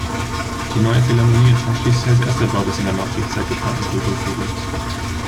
Die neue Philharmonie entstand schließlich als erster Bau des in der Nachkriegszeit geplanten Kulturforums.